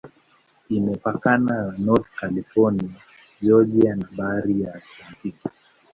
Imepakana na North Carolina, Georgia na Bahari ya Atlantiki.